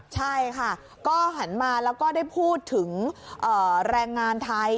ใช่ค่ะก็หันมาแล้วก็ได้พูดถึงแรงงานไทย